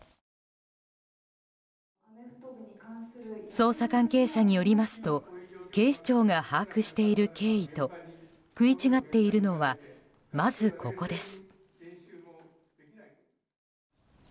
捜査関係者によりますと警視庁が把握している経緯と食い違っているのはまずここです。